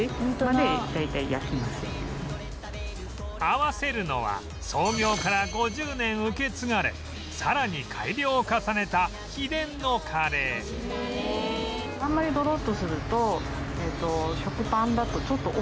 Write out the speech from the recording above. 合わせるのは創業から５０年受け継がれさらに改良を重ねた秘伝のカレーへえ漏れないんやでも。